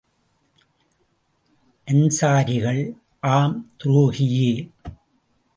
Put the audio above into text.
அன்ஸாரிகள், ஆம், துரோகியே!